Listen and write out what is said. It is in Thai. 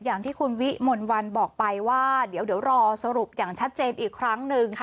อย่างที่คุณวิมนต์วันธรรมพักดีบอกไปว่าเดี๋ยวเดี๋ยวรอสรุปอย่างชัดเจนอีกครั้งนึง